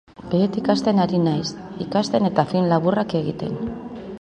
Behetik hasten ari naiz, ikasten eta film laburrak egiten.